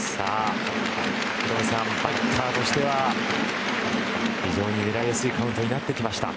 バッターとしては非常に狙いやすいカウントになってきました。